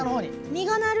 実がなる。